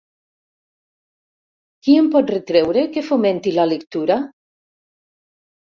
Qui em pot retreure que fomenti la lectura?